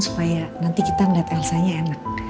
supaya nanti kita melihat elsa nya enak